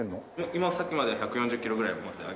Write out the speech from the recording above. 今さっきまで１４０キロぐらい持って上げてた。